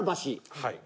はい。